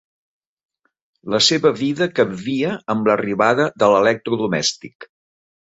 La seva vida canvia amb l'arribada de l'electrodomèstic.